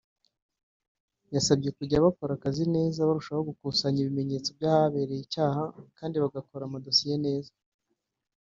yasabye kujya bakora akazi neza barushaho gukusanya ibimenyetso by’ahabereye icyaha kandi bagakora amadosiye neza